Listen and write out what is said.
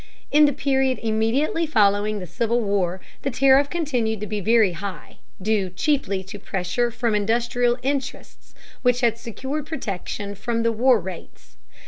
In the period immediately following the Civil War the tariff continued to be very high, due chiefly to pressure from industrial interests which had secured protection from the war rates.